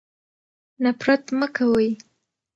نفرت مه کوئ.